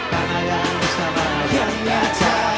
mana yang disalah yang nyata